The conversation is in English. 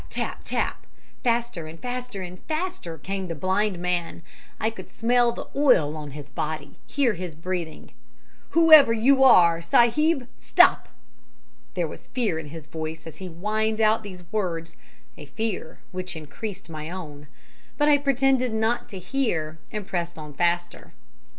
tap! tap! Faster and faster, and faster came the blind man. I could smell the oil on his body, hear his breathing. "'Whoever you are, sahib, stop!' "There was fear in his voice as he whined out these words, a fear which increased my own; but I pretended not to hear, and pressed on faster.